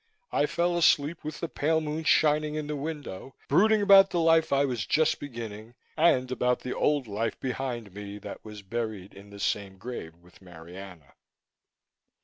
I fell asleep with the pale moon shining in the window, brooding about the life I was just beginning, and about the old life behind me that was buried in the same grave with Marianna.